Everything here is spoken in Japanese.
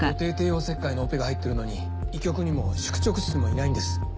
予定帝王切開のオペが入っているのに医局にも宿直室にもいないんです。